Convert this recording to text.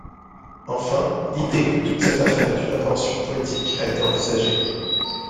Enfin, l'idée que toute cette affaire est une invention poétique a été envisagée.